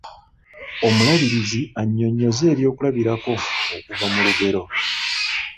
Omuluubirizi annyonnyoze ebyokulabirako okuva mu lugero.